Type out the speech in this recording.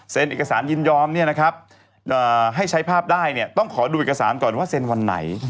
เซ็นเอกสารยินยอมเนี่ยนะครับให้ใช้ภาพได้เนี่ยต้องขอดูเอกสารก่อนว่าเซ็นวันไหน